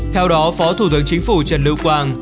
theo đó phó thủ tướng chính phủ trần lưu quang